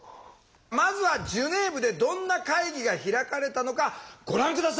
まずはジュネーブでどんな会議が開かれたのかご覧下さい。